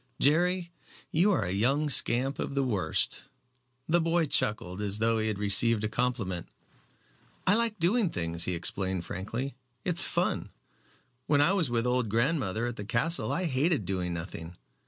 "Jerry, you are a young scamp of the worst." The boy chuckled as though he had received a compliment. "I like doing things," he explained frankly; "it's fun. When I was with old grandmother at the castle I hated doing nothing.